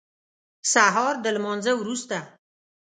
سهار د لمانځه وروسته.